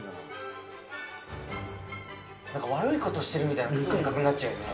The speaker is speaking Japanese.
・なんか悪いことしてるみたいな感覚になっちゃうよね